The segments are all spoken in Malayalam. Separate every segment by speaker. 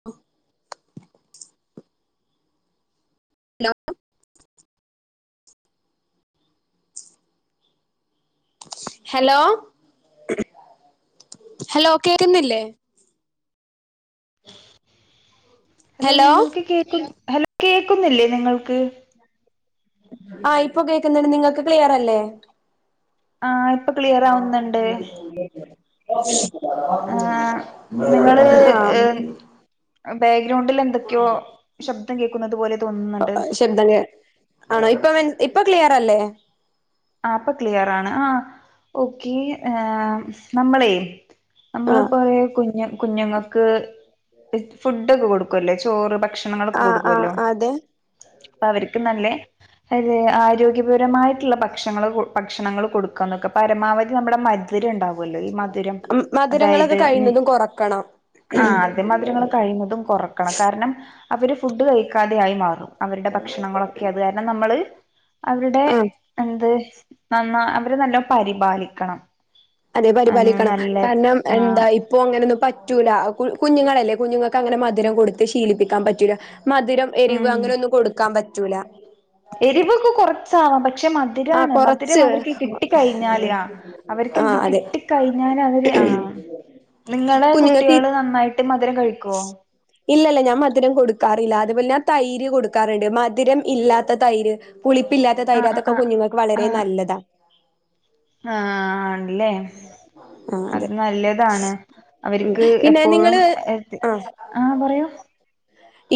Speaker 1: [unintelligible] ഹലോ ഹലോ ഹലോ കേക്കുന്നില്ലേ?
Speaker 2: ഹലോ നിങ്ങൾക്ക് കേക്കു ഹലോ കേൾക്കുന്നില്ലേ നിങ്ങൾക്ക്.
Speaker 1: ആഹ് ഇപ്പൊ കേൾക്കുന്നുണ്ട് നിങ്ങൾക്ക് ക്ലിയറല്ലേ?
Speaker 2: ആയീ..
Speaker 1: [unintelligible]
Speaker 2: ആ
Speaker 1: ആഹ് [unintelligible]
Speaker 2: ബാഗ്രൗണ്ടിൽ എന്തൊക്കെയോ ശബ്ദം കേൾക്കുന്നത് പോലെ തോന്നുന്നുണ്ട്-
Speaker 1: ബ്ദംകെ ആണോ ഇപ്പ ഇപ്പൊ ക്ലിയർ അല്ലേ?
Speaker 2: ആഹ് ഇപ്പൊ ക്ലിയർ ആണ് ആ ഓക്കെആ നമ്മളേ
Speaker 1: ആഹ്
Speaker 2: നമ്മള്പ്പോരേ കുഞ്ഞ് കുഞ്ഞുങ്ങക്ക് ഫുഡൊക്കെ കൊടുക്കുവല്ലേ ചോറ് ഭക്ഷണങ്ങളൊക്കെ
Speaker 1: ആഹ് ആഹ്
Speaker 2: കൊടുക്കുവല്ലോ.
Speaker 1: അതെ
Speaker 2: അപ്പ അവരിക്ക് നല്ലേ അ ആരോഗ്യപരമായിട്ടുള്ള ഭക് ഞങ്ങള് കൊ പക്ഷണങ്ങള് കൊടുക്വാൻ നിക്വാ പരമാവധി നമ്മടെമ ധുരംണ്ടാവല്ലോ ഈ മധുരം
Speaker 1: മധുരങ്ങളൊക്കെ
Speaker 2: അതായത് ഉം
Speaker 1: കഴിയുന്നതും കൊറക്കണം
Speaker 2: ആഹ് അതേമധുരങ്ങള് കഴിയ്ന്നതും കൊറക്കണം കാരണം അവര് ഫുഡ് കയ്ക്കാതെയായ് മാറും അവര്ടെ ഭക്ഷണങ്ങളൊക്കെ അത്കാര്ണ് ങ്ങനെ നമ്മള് അവര്ടെ
Speaker 1: ആഹ്
Speaker 2: എന്ത് നന്നാ അവരെ നല്ലോം പരിപാല്ക്കണം
Speaker 1: അതെ പര്പാലിക്കണം കാര്ണം
Speaker 2: ആ
Speaker 1: എന്തായ് പ്പോം അങ്ങനൊന്നും പറ്റൂല കുൽ കുഞ്ഞുങ്ങളല്ലേ കുഞ്ഞുങ്ങൾക്കങ്ങനെ മധുരം കൊടുത്ത് ശീലിപ്പ്ക്കാൻ പറ്റൂല മധിരം എരിവ്
Speaker 2: ഉം
Speaker 1: അങ്ങനെയൊന്നും കൊട്ക്കാൻ പറ്റൂല
Speaker 2: എരിവൊക്കെ കൊറ ച്ചാവാം പക്ഷെ
Speaker 1: ആഹ്
Speaker 2: മധിരാണ് മധുരം
Speaker 1: കൊറച്ച്
Speaker 2: അവര്ക്ക് കിട്ടി കയ്ഞ്ഞാല് ആഹ് അവര്‌ക്കെന്ത്
Speaker 1: ആഹ് അതെ
Speaker 2: കിട്ടി കയ്ഞ്ഞാല് അവര് ആഹ് നിങ്ങളെ കുട്ടികള് നന്നായ്ട്ട് മധുരം കഴ്‌
Speaker 1: ഉ [inaudible] ഇല്ലല്ല ഞാൻ മധുരം കൊടുക്കാറ്ല്ലാ അത്പോൽന്നെ തൈര് കൊടുക്കാറ്ണ്ട് മധുരം ഇല്ലാത്ത തൈര് പുളിപ്പില്ലാത്ത
Speaker 2: ആഹ്
Speaker 1: തൈരൊക്കെ
Speaker 2: ആഹ്
Speaker 1: കുഞ്ഞുങ്ങൾക്ക്
Speaker 2: ആഹ്
Speaker 1: വളരെ
Speaker 2: ആഹ്
Speaker 1: നല്ലതാ
Speaker 2: ആഹ് ആണല്ലേ
Speaker 1: ആ
Speaker 2: അത്
Speaker 1: അതെ
Speaker 2: നല്ലെതാണ് അവര്ക്ക് എപ്പോഴും ഏഹ്
Speaker 1: ആഹ്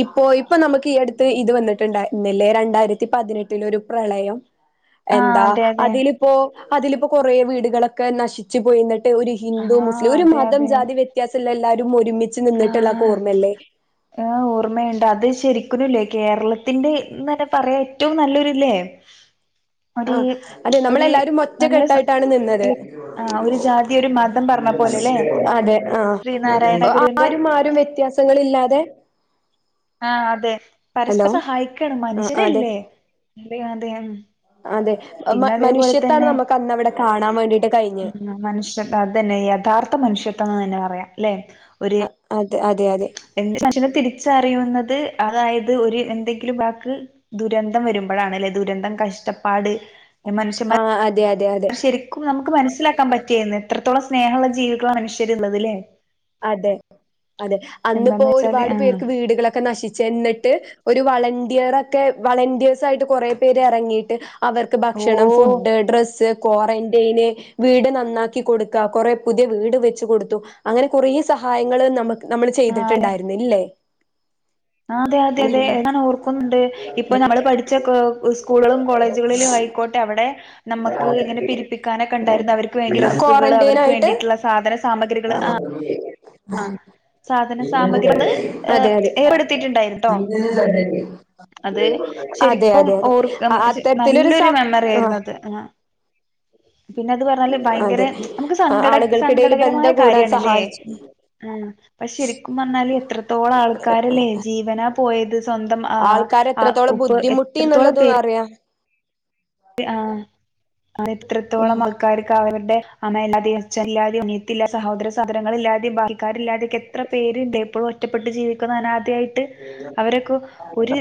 Speaker 1: ഇപ്പോ ഇപ്പൊ നമ്മക്ക് ഈ അട്ത്ത് ഇത് വന്നിട്ട്ണ്ടായ്ര്ന്നില്ലേ രണ്ടായ്രത്തിപതിനെട്ടിലൊരു പ്രളയം
Speaker 2: ആഹ്
Speaker 1: എന്താ
Speaker 2: അതെ അതെ
Speaker 1: അതിലിപ്പോ അതിലിപ്പൊ കൊറേ വീട്കളൊക്കെ നശിച്ച് പോയിന്ന് ട്ട് ഒര് ഹിന്ദു
Speaker 2: ആഹ്
Speaker 1: മുസ്ലിം ഒര്
Speaker 2: അതെ
Speaker 1: മതം
Speaker 2: അതെ
Speaker 1: ജാതി വ്യത്യാസ്സല്ലാ എല്ലാരും ഒരുമിച്ച്
Speaker 2: ആഹ്
Speaker 1: നിന്നിട്ട്ള്ളക്കോർമ്മ്ല്ലേ
Speaker 2: ആഹ് ഓർമ്മയ്ണ്ട് അത് ശെരിക്ക്നുംല്ലേ കേരളത്തിന്റെ ന്നെ പറയാൻറ്റവും നല്ലൊര്ല്ലേ
Speaker 1: ആഹ് അതെ നമ്മളെല്ലാരും
Speaker 2: നല്ല സ
Speaker 1: ഒറ്റക്കെട്ടായ്ട്ടാണ് നിന്നത്
Speaker 2: ആഹ് ഒരു ജാതി ഒരു മതം പറഞ്ഞ പോലെല്ലേ
Speaker 1: അതെ ആഹ്
Speaker 2: ശ്രീനാരായണ
Speaker 1: ഓഹ് ആഹ്
Speaker 2: ഗുരുവിന്റെ
Speaker 1: ആരും ആരും വ്യത്യാസങ്ങളില്ലാതെ
Speaker 2: ആഹ് അതെ
Speaker 1: ഹലോ
Speaker 2: പരസ്പരം ഹായ്ക്കാണ്
Speaker 1: ആ അതെ
Speaker 2: മന്ഷരല്ലേ അത അതെ ഉം
Speaker 1: അതെ ആഹ്
Speaker 2: പിന്നെ
Speaker 1: മൻ
Speaker 2: അതേപോലെ
Speaker 1: മനുഷ്യത്താണ്
Speaker 2: തന്നെ
Speaker 1: നമ്മക്കന്നവടെ കാണാൻ വേണ്ടിട്ട് കഴിഞ്ഞെ
Speaker 2: ഉം മനുഷെത്താ അതന്നെ യഥാർത്ഥ മനുഷ്യത്വംന്ന് തന്നെ പറയാംല്ലെ ഒര്
Speaker 1: അതെ അതെ അതെ
Speaker 2: എന്ത് മന്ഷനെ തിരിച്ചറിയുന്നത് അതായത് ഒര് എന്തെങ്കിലും വാക്ക് ദുരന്തം വരുമ്പഴാണ്ല്ലെ ദുരന്തം കഷ്ടപ്പാട് നെമനുഷ്യ
Speaker 1: ആഹ് അതെ അത്
Speaker 2: ശെര്ക്കും നമുക്ക് മനസ്സ്ലാക്കാൻ പറ്റിയ്ന്ന് എത്രത്തോളം സ്നേഹ്ള്ള ജീവ്കളാ മനുഷ്യര്ന്ന്ള്ളത് ല്ലേ
Speaker 1: അതെ അതെ അന്ന്പ്പോ
Speaker 2: എന്താന്ന് വെച്ചാല്
Speaker 1: ഒരുപാട്
Speaker 2: ആഹ്
Speaker 1: പേർക്ക് വീട്കളക്കെ നശിച്ചെന്ന് ട്ട് ഒര് വളണ്ട്യറക്കെ വളണ്ടിയേഴ്‌സായ്ട്ട് കൊറേ പേര് എറങ്ങീട്ട് അവർക്ക്
Speaker 2: ഓ
Speaker 1: ഭക്ഷണം ഫുഡ് ഡ്രസ്സ് ക്വൊറന്റൈന് വീട് നന്നാക്കി കൊട്ക്ക്വാ കൊറെ പുതിയ വീട് വെച്ച് കൊടുത്തു അങ്ങനെ കൊറേ സഹായങ്ങള് നമ്മക്ക് നമ്മള്
Speaker 2: ആഹ്
Speaker 1: ചെയ്തിട്ട്ണ്ടായ്ര്ന്ന്ല്ലേ
Speaker 2: ആഹ് അതെ അതെ അതെ ഞാനോർക്കുന്ന്ണ്ട് ഇപ്പൊ നമ്മള് പഠിച്ച കൊ ഉസ്കൂള്കളും കോളേജ്കളിലും ഹയ്ക്കോട്ടെ അവ്ടെ നമ്മക്ക് ഇങ്ങനെ പിരിപ്പിക്കാനൊക്കെണ്ടായ്ര്ന്ന് അവര്ക്ക് വേണ്ടി ഡ്രസ്സുകള്
Speaker 1: ക്വാറന്റൈൻ
Speaker 2: അവർക്ക് വേണ്ടിട്ട്ള്ള സാധന സാമഗ്രികള് ആഹ്
Speaker 1: ല്ലേ ആഹ്
Speaker 2: സാധന സാമഗ്രിള് ഏഹ് ഏർപ്പെട്ത്തീ ട്ട്ണ്ടായ്ട്ടോ ഉം അത്
Speaker 1: അതെ
Speaker 2: ശെര്ക്കും
Speaker 1: അതെ അതെ
Speaker 2: ഓർക്ക് അഹ് ശെ
Speaker 1: അത്തരത്തിലൊരു സ
Speaker 2: നല്ലൊരു
Speaker 1: ആ
Speaker 2: മെമ്മറിയായ്ര്ന്നത് ആഹ് പിന്നെ അത് പറഞ്ഞാല്
Speaker 1: അതെ
Speaker 2: ഭയങ്കരെ നമുക്ക് സങ്കട
Speaker 1: ആളുകൾക്കിടയിൽ
Speaker 2: സങ്കടകരമായ
Speaker 1: ബന്ധം കൂടാൻ
Speaker 2: കാര്യാണല്ലേ
Speaker 1: സഹായിച്ചു
Speaker 2: ഉം പ്പശെര്ക്കും പറഞ്ഞാല് എത്രത്തോളം ആൾക്കാര്ല്ലേ ജീവനാ പോയത് സൊന്തം ആഹ് ആഹ് ഉപ്പ് എത്രത്തോളം പേര്
Speaker 1: അറ്യാ
Speaker 2: തെ ആഹ് ആഹ് എത്രത്തോളം ആൾക്കാര്ക്കവർടെ അമയ്ല്ലാതേം അഛന്ല്ലാതേം അന്യത്തില്യ സഹോദര സാധനങ്ങള്ല്ല്യാതേം ബാൽക്കാര്ല്ല്യാതേം ‌ക്കെത്ര പേര്ല്ലേ ഇപ്പോഴും ഒറ്റപ്പെട്ട് ജീവിക്ക്ന്ന അനാധയായ് ട്ട് അവര്ക്ക് ഒര്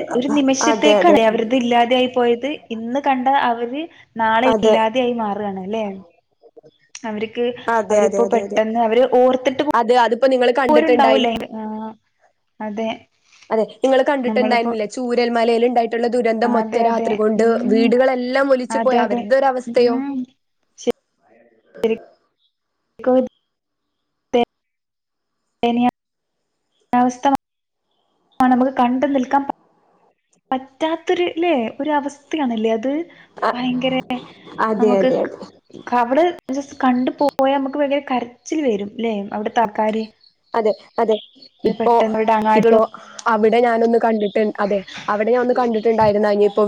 Speaker 1: അതെ അതെ
Speaker 2: ഒര്നിമിഷത്തേക്കാണെ അവര്ത് ഇല്ലാതെയായ് പോയത് ഇന്ന് കണ്ട അവര് നാളെ
Speaker 1: അതെ
Speaker 2: ഇല്ലാതെയായി മാറ് ആണ് അല്ലെ. അവര്ക്ക് അവര്പ്പോ പെട്ടെന്ന് അവര് ഓർത്തിട്ട് പോ
Speaker 1: അത് അത്പ്പ നിങ്ങള് ക
Speaker 2: പോരുണ്ടാവൂലെ ആഹ് അതെ.
Speaker 1: അതെ നിങ്ങള്
Speaker 2: നമ്മളിപ്പോ
Speaker 1: കണ്ടിട്ടുണ്ടായിരിന്നില്ലെ ചൂരൽ മലേല് ഇണ്ടായി ട്ടുള്ള ദുരന്തം, ഒറ്റ
Speaker 2: അതെ അതെ
Speaker 1: രാത്രി കൊണ്ട്
Speaker 2: ഉം
Speaker 1: വീടുകളെല്ലാം ഒലിച്ച് പോയ
Speaker 2: അതെ അതെ
Speaker 1: അവരുടെ ഒര് അവസ്ഥയോ.
Speaker 2: ഉം [unintelligible] എനിയ അവസ്ഥ നമുക്ക് കണ്ടു നിൽക്കാൻ പ പറ്റാത്തൊരു ല്ലെ ഒരു അവസ്ഥയാണ്ല്ലേ അത്.
Speaker 1: അ
Speaker 2: ഭയങ്കരെ
Speaker 1: അതെ
Speaker 2: നമുക്ക്
Speaker 1: അതെ അതെ
Speaker 2: ക് [unintelligible] ജസ്റ്റ് കണ്ടു പോയാ മ്മക്ക് ഭയങ്കര കരച്ചില് വരും ല്ലേ അവിട്ത്തെ ആൾക്കാര്.
Speaker 1: അതെ അതെ ഇപ്പോ
Speaker 2: പെട്ടെന്ന് അവരുടെ
Speaker 1: ഇപ്പോ
Speaker 2: അങ്ങാടികളും
Speaker 1: അവിടെ ഞാനൊന്ന് കണ്ടിട്ടു അതെ അവിടെ ഞാൻ ഒന്ന് കണ്ടിട്ടിണ് അതെ അവിടെ ഒന്ന് കണ്ടിട്ടിട്ടായിരുന്നു അയിഞ്ഞിപ്പോ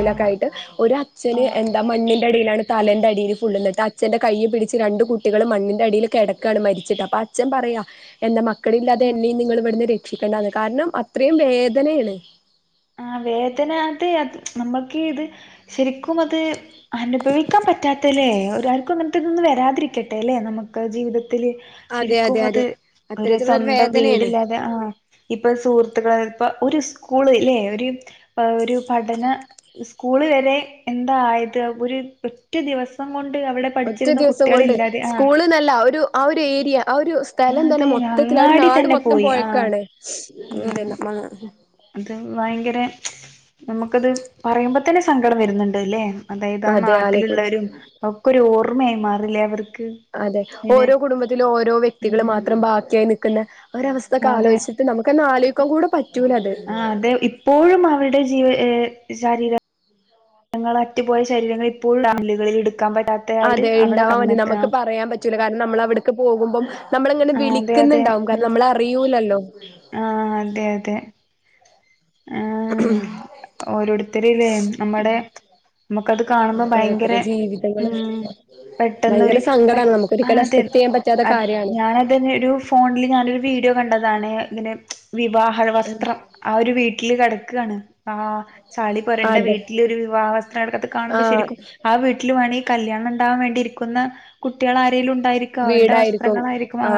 Speaker 2: ആ
Speaker 1: ആയിട്ട്. ഒരു അച്ഛന്
Speaker 2: ആ
Speaker 1: എന്താ മണ്ണി ന്റെ അടീലാണ് തലെന്റെ അടീല് [unintelligible] അച്ഛന്റെ കൈ പിടിച്ച് രണ്ട് കുട്ടികളും മണ്ണിന്റെ അടീൽ കെടക്കാണ് മരിച്ചിട്ട് അപ്പ അ ച്ഛൻ പറയാ എന്റെ മക്കളില്ലാതെ എന്നെയും നിങ്ങള് ഇവിട്ന്ന് രക്ഷിക്കണ്ടാന്ന്, കാരണം അത്രയും വേദനേണ്.
Speaker 2: ആഹ് വേദന അത് നമ്മക്ക് ഇത് ശെരിക്കും അത് അനുഭവിക്കാൻ പറ്റാത്തല്ലേ ഒരാർക്കും അങ്ങനത്തെതൊന്നും വരാതിരിക്കട്ടെല്ലെ നമുക്ക് ജീവിതത്തില്.
Speaker 1: അതെ
Speaker 2: ശരിക്കും
Speaker 1: അതെ
Speaker 2: അത്
Speaker 1: അതെ
Speaker 2: ഒരു
Speaker 1: അത്തരത്തിലുള്ള
Speaker 2: സ്വന്തം
Speaker 1: വേദനയാണ്
Speaker 2: വീടില്ലാ [unintelligible] ആഹ് ഇപ്പ സുഹൃത്തുക്കള് ഇപ്പ ഒരു സ്കൂള് ലെ ഒര് ഒരു പഠന സ്കൂള് വരെ എന്താ ആയത് ഒര് ഒറ്റ ദിവസം കൊണ്ട് അവിടെ
Speaker 1: ഒറ്റ
Speaker 2: പഠിച്ചിരുന്ന
Speaker 1: ദിവസം കൊണ്ട്
Speaker 2: കുട്ടികളില്ലാതെ ആ
Speaker 1: സ്കൂള്ന്നല്ല ഒരു ആ ഒര് ഏരിയ ആ ഒരു സ് സ്ഥലം തന്നെ
Speaker 2: അതെ
Speaker 1: മൊത്തത്തില് ആ ഒരു
Speaker 2: അങ്ങാടി
Speaker 1: നാട്
Speaker 2: തന്നെ
Speaker 1: മൊത്തം
Speaker 2: പോയി ആ
Speaker 1: പോയെക്കാണ്
Speaker 2: ഉം
Speaker 1: അതന്നെ [unintelligible]
Speaker 2: അത് വയങ്കരെ നമുക്കത് പറയുമ്പ തന്നെ സങ്കടം വര്ന്ന്ണ്ട് ലെ. അതായത് ആ
Speaker 1: അതെ ആലേക്കുലേ
Speaker 2: നാട്ടില്ള്ളവരും ഒക്കെ ഒരു ഓർമ്മയായി മാറില്ലേ അവർക്ക്.
Speaker 1: അതെ,
Speaker 2: ഇങ്ങനെ
Speaker 1: ഓരോ കുടുംബത്തിലും ഓരോ വ്യക്തികള്
Speaker 2: ഉം
Speaker 1: മാത്രം ബാക്കിയായി നിക്ക്ന്ന ഓര അവസ്ഥക്ക
Speaker 2: അതെ
Speaker 1: ആലോയിച്ചിട്ട് നമുക്കന്നെ ആലോയിക്കാം കൂടെ പറ്റൂലത്.
Speaker 2: എപ്പോഴും അവര്ടെ ജീവ ഏഹ് ശാരീര ങ്ങള അറ്റ്പോയ ശരീരങ്ങള് ഇപ്പോഴും [unintelligible] ഇടുക്കാം പറ്റാത്
Speaker 1: അതെ ഇണ്ടാവാം വേണ്ടി നമുക്ക് പറയാൻ പറ്റ് റ്റൂല കാരണം നമ്മള് അവിട്ക്ക് പോകുമ്പം നമ്മള്ങ്ങനെ
Speaker 2: അതെ
Speaker 1: വിളിക്കുന്ന്ണ്ടാവും കാരണം നമ്മള് അറിയൂല്ലല്ലോ.
Speaker 2: ആഹ് അതെ അതെ. ആഹ് ഓരോട്ത്തര്ലെ നമ്മടെ മ്മക്കത് കാണുമ്പം
Speaker 1: ഓരോരുത്തരുടെ
Speaker 2: ഭയങ്കരെ
Speaker 1: ജീവിതങ്ങള്
Speaker 2: മ്
Speaker 1: ഭയങ്കര
Speaker 2: പെട്ടെന്നൊര് പെട്
Speaker 1: സങ്കടാണ് നമുക്കൊരിക്കലും
Speaker 2: ആതെ
Speaker 1: അക്സെപ്റ്റ് ചെയ്യാൻ പറ്റാത്ത
Speaker 2: അത്
Speaker 1: കാര്യാണ്
Speaker 2: ഞാനതന്നെ ഒരു ഫ് ഫോണില് ഞാനൊരു വീഡിയോ കണ്ടതാണ് ഇതിന്റെ വിവാഹ വസ്ത്രം ആ ഒരു വീ ട്ടില് കെടക്കാണ്. ആഹ് ചളി പൊരണ്ട
Speaker 1: അതെ
Speaker 2: വീട്ടില് ഒര് വിവാഹ വസ്ത്രങ്ങളകത്ത് കാണുമ്പം
Speaker 1: ആഹ്
Speaker 2: ശരിക്കും ആ വീ ട്ടില് വാണെങ്കി കല്യാണം ഇണ്ടാവാൻ വേണ്ടിയിരിക്കുന്ന കുട്ടിയാളാരേലും ഉണ്ടായിരി
Speaker 1: വീടായിരിക്കും,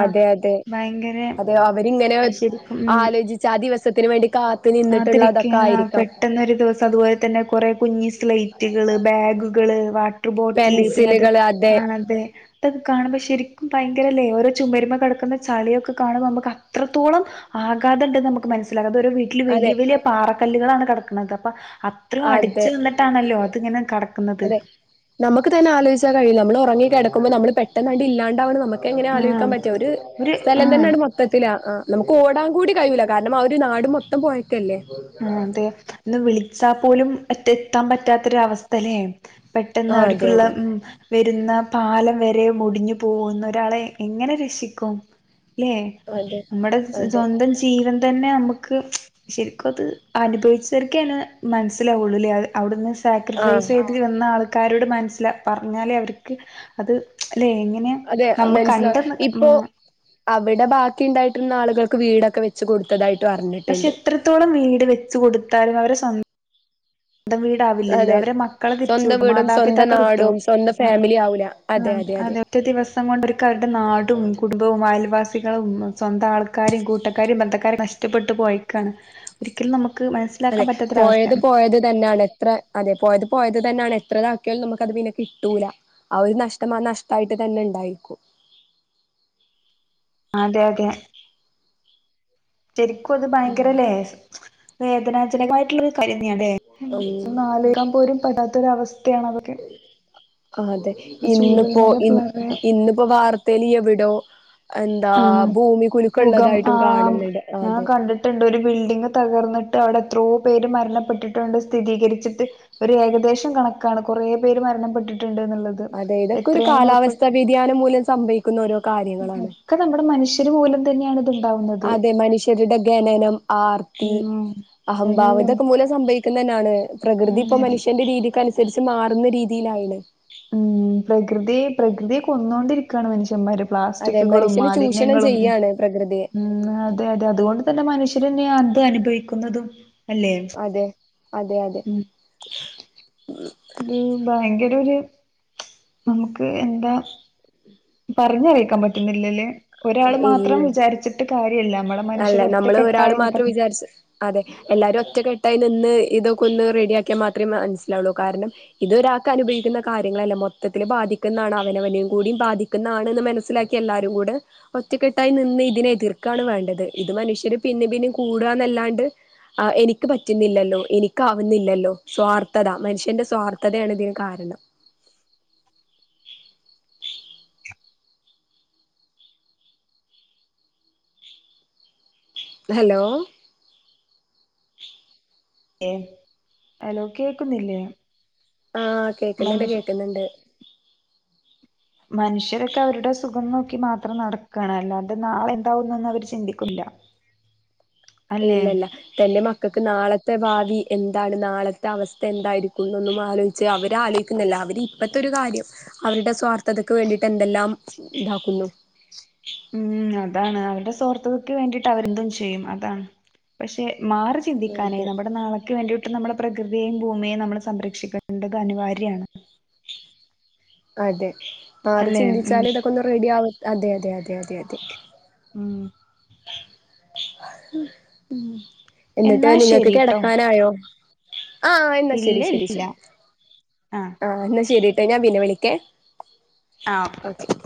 Speaker 1: അതെ അതെ
Speaker 2: ഭയങ്കര
Speaker 1: അതെ അവരിങ്ങനെ
Speaker 2: ശരിക്കും
Speaker 1: ആലോചി ച്ചാ ദിവസത്തിന് വേണ്ടി കാ
Speaker 2: കാത്തിരിക്കാണ് പെട്ടെന്നൊരു ദിവസം അതുപോലെ തന്നെ കൊറെ കുഞ്ഞി സ്ലൈറ്റുകള് ബാഗുകള് വാ ട്ടർ ബോട്ടില് പിന്നെ അത്
Speaker 1: പെൻസിലുകള് അതെ
Speaker 2: ആതെ തൊക്കെ കാണുമ്പോ ശരിക്കും ഭയങ്കരല്ലേ ഓരോ ചുമരുമ്മ കെടക്കുന്ന ചളിയൊക്കെ കാണുമ്പോ നമുക്ക് അത്രത്തോളം ആഘാത്ണ്ട്ന്ന് നമ്മക്ക് മനസ്സിലാകാം ഇതൊരു വീട്ടില്
Speaker 1: അതെ
Speaker 2: വെലിയ വെലിയ പാറക്കല്ലുകളാണ് കെടക്കണത്, അപ്പ അ ത്രയും അടിച്ചു
Speaker 1: അതെ
Speaker 2: വന്നിട്ടാണല്ലോ അതിങ്ങനെ കെടക്കുന്നത്.
Speaker 1: അതെ നമുക്ക് തന്നെ ആലോയിച്ചാ കഴിയൂലോ നമ്മള് ഒറങ്ങി കെടക്ക്മ്പോ നമ്മള് പെട്ടന്നണ്ട് ഇല്ലാവണ്ടണ നമ്മ എങ്ങനെ
Speaker 2: ആ
Speaker 1: ആലോയ്ക്കാൻ പറ്റ ഒരു സ്ഥലന്തന്നട് മ ത്തത്തില നമുക്ക് ഓടാൻ കൂടി കയ്യൂല്ല കാര്ണം ആ ഒരു നാട് മൊത്തം പൊയ് ക്കെല്ലേ
Speaker 2: ആഹ് അതെ ന്ന് വിളിച്ചാ പോലും എത്ത് എത്താം പറ്റാത്തൊരവസ്ഥ ലേ പെട്ടെന്ന്
Speaker 1: ആ അതെ
Speaker 2: അവ്ട്ക്കുള്ള
Speaker 1: അതെ
Speaker 2: ഉം വെരുന്ന പാലം വരെ മുടിഞ്ഞു പോവുന്ന് ഒരാളെ എങ്ങനെ രക്ഷിക്കും അല്ലേ
Speaker 1: അതെ
Speaker 2: നമ്മുടെ
Speaker 1: അതെ
Speaker 2: സ്വന്തം ജീവൻ തന്നെ നമ്മ്ക്ക് ശരി ക്കത് അനുഭവിച്ചര്ക്കെന് മൻസ്സിലാവൊള്ളൂ ലേ അ അവ്ടുന്ന്
Speaker 1: ആഹ്
Speaker 2: സാക്രിഫൈസെയ് വന്നാൾകാരോട് മൻസ്സിലാ പർഞ്ഞാലേ അവര്ക്ക് അത് ലെ എങ്ങെ
Speaker 1: അതെ മൻസ്സില ഇപ്പോ അവിടെ ബാക്കിണ്ടായ്ട്ടിര്ന്നാള്കൾക്ക് വീടക്കെ വെച്ച് കൊട്ത്തതായ്
Speaker 2: പഷെ എത്രെത്തോളം വീട് വെച്ച് കൊടുത്താലും അവരെ സ ന്തം വീടാവില്ലല്ലോ
Speaker 1: അതെ
Speaker 2: അവരെ മക്കളെ തിരിച്ചു
Speaker 1: സ്വന്തം
Speaker 2: [inaudible]
Speaker 1: വീടും സ്വന്തം
Speaker 2: മാതാപിതാക്കൾ കിട്ടു
Speaker 1: നാടും സ്വന്തം
Speaker 2: ആഹ്
Speaker 1: ഫാമിലി ആവൂല
Speaker 2: ആ അതെ ഒറ്റ ദിവസം കൊണ്ട അവര്ക്കവര്ടെ നാടും കുടു ബവും ആയൽവാസികളും സ്വന്തം ആൾക്കാരിം കൂട്ടക്കാരിം ബന്ധക്കാരിം നഷ്ടപ്പെട്ട് പോയക്കാണ് ഒരിക്കലും നമുക്ക് മനസ്സിലാക്കാൻ പറ്റാത്തൊരവസ്ഥ
Speaker 1: തന്നാണ് എത്ര അതെ പോയത് പോയത് തെന്നാണ് എത്രെ ഇതാക്ക്യാൽ നമുക്ക് അത് പിന്നെ കിട്ടൂല ആഹ് ഒരു നഷ്ടം ആ നഷ്ടയിട്ട് തന്നെ ഇണ്ടായിക്കും
Speaker 2: അതെ അതെ ശരിക്കും അത്
Speaker 1: ഉം
Speaker 2: ഭയ്ങ്കര ലേ വേദനാജനകമായിട്ട്ള്ളരു കാര്യെന്നാ ലേ
Speaker 1: ഉം
Speaker 2: ഒന്നാലോയ്കാപോരും പെടാത്തൊര അവസ്ഥ്യാണത്
Speaker 1: ആഹ് അതെ ഇന്നിപ്പോ
Speaker 2: ചൂരൽമല
Speaker 1: ഇൻ
Speaker 2: പ്ലവയം
Speaker 1: ഇന്നിപ്പോ വാർ തെലിയെവിടോ എന്താ
Speaker 2: ആഹ്
Speaker 1: ഭൂമി കുലുക്കൊള്ളതായിട്ടും കാണ്ന്നിണ്ട് അതെ
Speaker 2: ട്ടിണ്ട് ഒരു ബിൽഡിങ് തകർന്നിട്ട് അവിടെ എത്രോ പേര് മരണപ്പെട്ടിട്ടൊണ്ട് സ്ഥിതീകര്ച്ചിട്ട് ഒരു ഏകദേശം കണക്കാണ് കൊറേ പേര് മരണപ്പെട്ടിട്ടിണ്ട് ഇന്നിള്ള
Speaker 1: അതെ ഇതൊക്കെ ഒരു കാലാവസ്ഥാ വ്യതിയാനം മൂലം സംഭവിക്കുന്ന ഓരോ കാര്യങ്ങളാണ്
Speaker 2: ക്കെ നമ്മള് മന്ഷ്യര് മൂലം തന്ന്യാണ്
Speaker 1: അതെ മനുഷ്യരുടെ ഖനനം ആർത്തി
Speaker 2: ഉം
Speaker 1: അഹംഭാവ്
Speaker 2: എല്ലാം
Speaker 1: ഇതൊക്കെ മൂലം സംഭവി ക്ക്ന്നെന്നാണ് പ്രകൃതി ഇപ്പൊ
Speaker 2: ഉം
Speaker 1: മനുഷ്യന്റെ രീതിക്ക് അനുസരിച്ച് മാറുന്ന രീതീലായിലെ
Speaker 2: ഉം പ്രകൃതി പ്രകൃതി കൊന്നോണ്ടിരിക്കാണ് മനുഷ്യമ്മാരും
Speaker 1: അതെ
Speaker 2: പ്ലാസ്റ്റിക്കുകളും
Speaker 1: മനുഷ്യന് ചൂഷണം
Speaker 2: മാലിന്യങ്ങളും
Speaker 1: ചെയ്യാണ് പ്രകൃതിയെ
Speaker 2: ഉം അതെ അതെ അതുകൊണ്ട് തന്നെ മനുഷ്യരെന്ന്യ അത് അനുഭവിക്കുന്നതും അല്ലേ
Speaker 1: അതെ അതെ അതെ
Speaker 2: യൂ ഭയ്ങ്കര ഒര് നമുക്ക് എന്താ പറഞ്ഞറീക്കാൻ പറ്റുന്നില്ലല്ലേ ഒരാള് മാത്രം
Speaker 1: ഇല്ല
Speaker 2: വിചാരിച്ചിട്ട് കാര്യല്ല അമ്മളെ
Speaker 1: അല്ല
Speaker 2: മനുഷ്യർ ഒറ്റ
Speaker 1: നമ്മള് ഒരാള്
Speaker 2: കെട്ടായി
Speaker 1: മാത്രം
Speaker 2: [unintelligible]
Speaker 1: വിചാരിച്ച് അതെ എല്ലാരും ഒറ്റക്കെട്ടായി നിന്ന് ഇതൊക്കെ ഒന്ന് റെഡിയാക്ക്യാ മാത്രേ മൻസ്ലാവൊള്ളൂ കാരണം ഇതൊരാക്ക് അനുഭവിക്കുന്ന കാര്യങ്ങളല്ല മൊത്തത്തില് ബാധിക്കുന്നാണ് അവനവനെം കൂടിം ബാധി ക്കിന്നണ്ന്ന് മനസ്സിലാക്കി എല്ലാരും കൂടെ ഒറ്റക്കെട്ടായി നിന്ന് ഇതിനെ എതിർക്കാണ് വേണ്ടത് ഇത് മനുഷ്യര് പിന്നിം പിന്നിം കൂട ന്നല്ലാണ്ട് അഹ് എനിക്ക് പറ്റ്ന്നില്ലല്ലോ എനിക്കാവ്ന്നില്ലല്ലോ സ്വാർഥത മന്ഷ്യന്റെ സ്വാർത്ഥതേണ് ഇതിന് കാരണം ഹലോ
Speaker 2: ഏഹ് അലോ കേക്കുന്നില്ലേ
Speaker 1: ആഹ് കേക്ക്ന്നിണ്ട്
Speaker 2: മനുഷ്യ
Speaker 1: കേക്ക്ന്നിണ്ട്
Speaker 2: മനുഷ്യരൊക്കെ അവരുടെ സുഖം നോക്കി മാത്രം നടക്കാണ് അല്ലാതെ നാളെന്താവുന്നൊന്ന് അവര് ചിന്തിക്കുല്ല
Speaker 1: ഇല്ലല്ല തന്റെ മ ക്കക്ക് നാളത്തെ ഭാവി എന്താണ് നാളത്തെ അവസ്ഥ എന്തായിരിക്കുന്നൊന്നും ആലോയ്ച്ച് അവരാലോയ്ക്കുന്നില്ല അവര് ഇപ്പത്തെരു കാര്യം അവരുടെ സ്വാർത്ഥതക്ക് വേണ്ടീട്ടെന്തെല്ലാം ഇതാക്കുന്നു
Speaker 2: ഉറ അതാണ് അവര്ടെ സ്വാർത്ഥതക്ക് വേണ്ടീട്ടവരെന്തും ചെയ്യും അതാണ് പഷെ മാറ് ച് ഇന്തിക്കാനേ
Speaker 1: അതെ
Speaker 2: നമ്മുടെ നാളെക്ക് വേണ്ടീട്ട് നമ്മടെ പ്രകൃത്യേറ ഭൂമിയേം നമ്മള് സംരക്ഷിക്കേണ്ടത് അനിവാര്യാണ്
Speaker 1: അതെ മാറി
Speaker 2: അല്ലെ ഉം
Speaker 1: ചിന്തിച്ചാല് ഇതൊക്കൊന്ന് റെഡി ആവും അതെതെതെതതെ
Speaker 2: ഉം
Speaker 1: എന്നിട്ട്
Speaker 2: എന്നാ
Speaker 1: നിങ്ങൾക്ക്
Speaker 2: ശരിട്ടോ
Speaker 1: കിടക്കാനായോ ആഹ് എന്നാ
Speaker 2: ഇല്ല
Speaker 1: ശരി ശരി
Speaker 2: ഇല്ല
Speaker 1: ശരി
Speaker 2: ആ
Speaker 1: ആഹ് എന്നാ ശരിട്ടോ ഞാൻ പിന്നെ വിളിക്കേ
Speaker 2: ആ ഓക്കെക്കെ
Speaker 1: ഓക്കെ